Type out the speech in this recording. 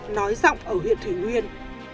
nói giọng ở huyện thủy nguyên